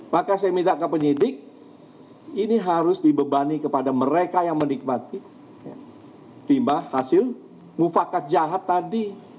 maka saya minta ke penyidik ini harus dibebani kepada mereka yang menikmati timba hasil mufakat jahat tadi